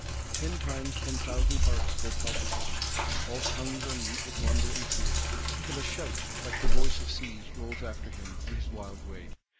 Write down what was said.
Ten times ten thousand hearts go palpitating; all tongues are mute with wonder and fear; till a shout, like the voice of seas, rolls after him, on his wild way.